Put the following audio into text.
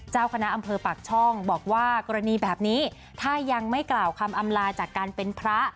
เจ้าคณะอำเภอปากช่องบอกว่ากรณีแบบนี้ถ้ายังไม่กล่าวคำอำลาจากการเป็นพระ